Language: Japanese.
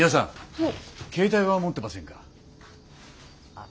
はい。